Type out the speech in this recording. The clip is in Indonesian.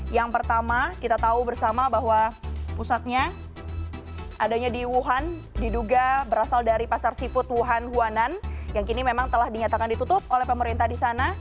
yang pertama kita tahu bersama bahwa pusatnya adanya di wuhan diduga berasal dari pasar seafood wuhan huanan yang kini memang telah dinyatakan ditutup oleh pemerintah di sana